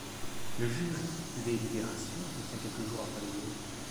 Le jury de délibération se tient quelques jours après les oraux.